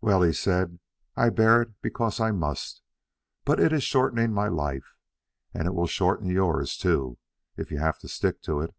"Well," he said, "I bear it because I must; but it is shortening my life, and it will shorten yours too, if you have to stick to it."